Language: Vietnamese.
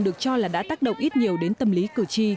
được cho là đã tác động ít nhiều đến tâm lý cử tri